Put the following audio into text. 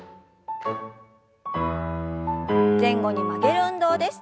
前後に曲げる運動です。